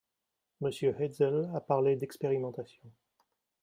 Monsieur Hetzel a parlé d’expérimentation.